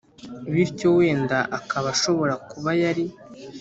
bityo wenda akaba ashobora kuba yari